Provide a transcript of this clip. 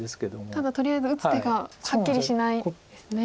ただとりあえず打つ手がはっきりしないんですね。